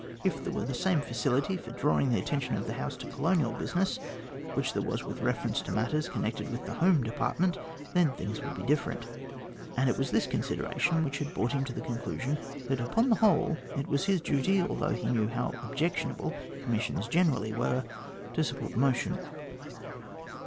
If there were the same 246 THE GLADSTONE COLONY facility for drawing the attention of the House to colonial business, which there was with reference to matters connected with the Home Department, then things would be different ; and it was this consideration which had brought him to the conclusion that upon the whole it was his duty, although he knew how objectionable commissions generally were, to support the motion.